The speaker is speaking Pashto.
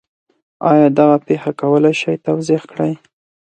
آیا دغه پېښه کولی شئ توضیح کړئ؟